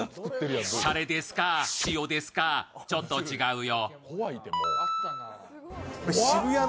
たれですか、塩ですかちょっと違うよ。